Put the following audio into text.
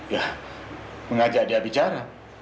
ya mengajak dia bicara